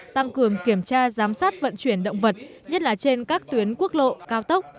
tăng cường kiểm tra giám sát vận chuyển động vật nhất là trên các tuyến quốc lộ cao tốc